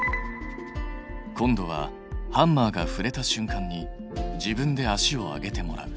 今度はハンマーがふれたしゅんかんに自分で足を上げてもらう。